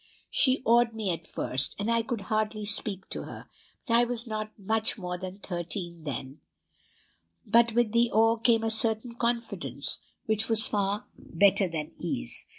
She awed me at first, and I could hardly speak to her, I was not much more than thirteen then; but with the awe came a certain confidence which was far better than ease.